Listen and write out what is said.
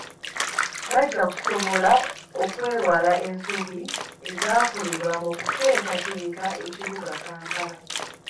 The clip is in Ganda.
Bajja kusobola okwewala ensobi ezaakolebwa mu kuteekateeka ekibuga Kampala.